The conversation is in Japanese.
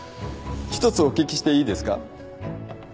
一つお聞きしていいですか。